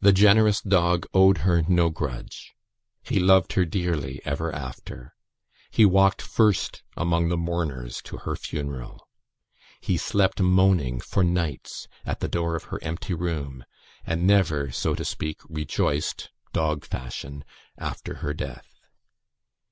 The generous dog owed her no grudge; he loved her dearly ever after; he walked first among the mourners to her funeral; he slept moaning for nights at the door of her empty room, and never, so to speak, rejoiced, dog fashion, after her death.